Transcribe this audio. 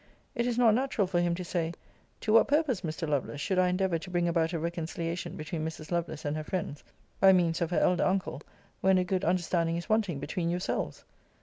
It is not natural for him to say, 'To what purpose, Mr. Lovelace, should I endeavour to bring about a reconciliation between Mrs. Lovelace and her friends, by means of her elder uncle, when a good understanding is wanting between yourselves?'